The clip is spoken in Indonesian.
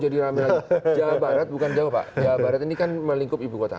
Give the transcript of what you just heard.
jawa barat bukan jawa pak jawa barat ini kan melingkup ibu kota